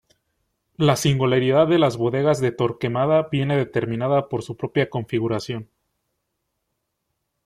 La singularidad de las bodegas de Torquemada viene determinada por su propia configuración.